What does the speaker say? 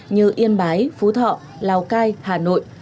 như yên bái phú thọ lào cai hà nội